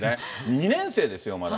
２年生ですよ、まだ。